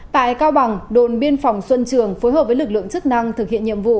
tại cao bằng đồn biên phòng xuân trường phối hợp với lực lượng chức năng thực hiện nhiệm vụ